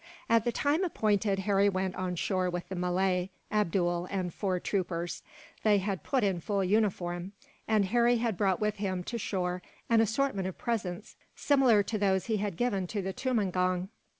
At the time appointed, Harry went on shore with the Malay, Abdool, and four troopers. They had put on full uniform, and Harry had brought with him, to shore, an assortment of presents similar to those he had given to the tumangong.